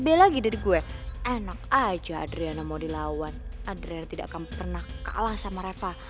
beda lagi dari gue enak aja adriana mau dilawan adrian tidak akan pernah kalah sama reva